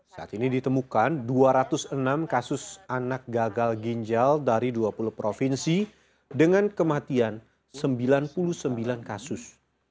saat ini ditemukan dua ratus enam kasus anak gagal ginjal dari dua puluh provinsi dengan kematian sembilan puluh sembilan kasus